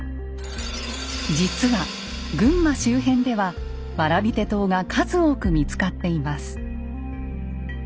実は群馬周辺では蕨手刀が数多く見つかっています。